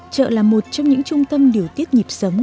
chợ là một trong những trung tâm điều tiết nhịp sống